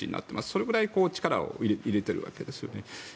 それぐらい力を入れているわけですよね。